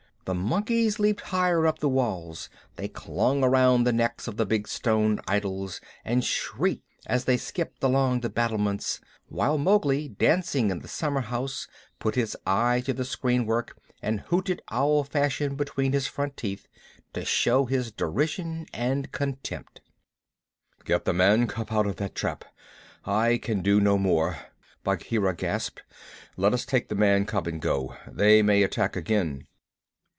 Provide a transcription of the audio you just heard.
The monkeys leaped higher up the walls. They clung around the necks of the big stone idols and shrieked as they skipped along the battlements, while Mowgli, dancing in the summerhouse, put his eye to the screenwork and hooted owl fashion between his front teeth, to show his derision and contempt. "Get the man cub out of that trap; I can do no more," Bagheera gasped. "Let us take the man cub and go. They may attack again."